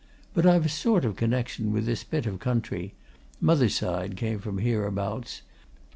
But I've a sort of connection with this bit of country mother's side came from hereabouts.